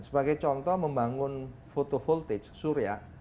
sebagai contoh membangun photo voltage surya